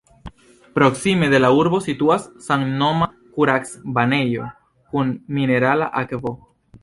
Proksime de la urbo situas samnoma kurac-banejo kun minerala akvo.